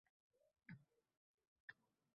Doktor yoki ukol bilan qo‘rqitish.